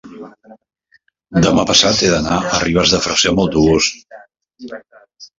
demà passat he d'anar a Ribes de Freser amb autobús.